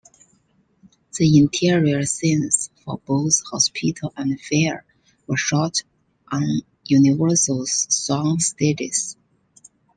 The interior scenes, for both hospital and fire, were shot on Universal's sound stages.